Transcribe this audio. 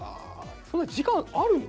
そんな時間あるの？